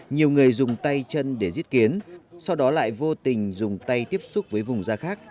nhiều người dùng tay chân để giết kiến sau đó lại vô tình dùng tay tiếp xúc với vùng da khác